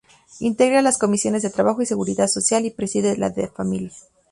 Integra las comisiones de Trabajo y Seguridad Social; y preside la de Familia.